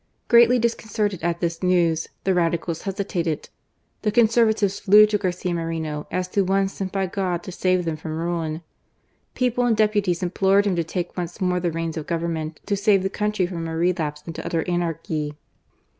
Greatly disconcerted at this news, the Radicals hesitated : the Conservatives flew to Garcia Moreno as to one sent by God to save them from ruin : people and deputies implored him to take once more the reins of Government to save the country from a relapse into utter anarchy.